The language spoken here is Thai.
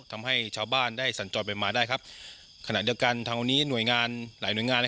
ทำให้ชาวบ้านได้สันจอดไปมาได้ครับขณะเดียวกันทางวันนี้หน่วยงาน